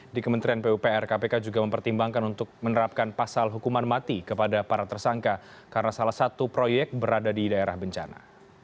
di kementerian pupr kpk juga mempertimbangkan untuk menerapkan pasal hukuman mati kepada para tersangka karena salah satu proyek berada di daerah bencana